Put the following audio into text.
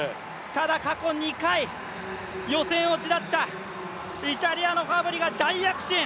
ただ、過去２回、予選落ちだったイタリアのファブリが大躍進。